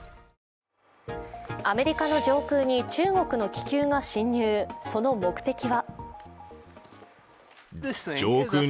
アメリカの上空に中国の気球が侵入、その目的は？